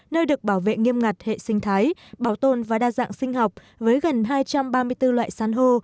nơi được bảo vệ nghiêm ngặt hệ sinh thái bảo tồn và đa dạng sinh học với gần hai trăm ba mươi bốn loại san hô